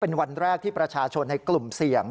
เป็นวันแรกที่ประชาชนในกลุ่มเสี่ยง